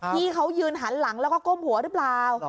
ที่เขายืนหันหลังแล้วก็ก้มหัวหรือเปล่า